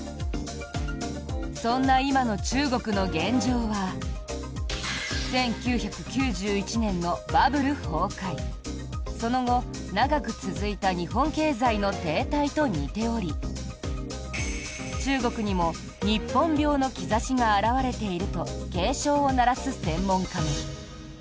そんな今の中国の現状は１９９１年のバブル崩壊その後、長く続いた日本経済の停滞と似ており中国にも日本病の兆しが表れていると警鐘を鳴らす専門家も。